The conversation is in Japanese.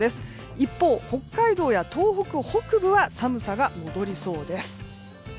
一方、北海道や東北北部は寒さが戻りそうです。